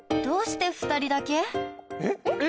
どうして２人だけ？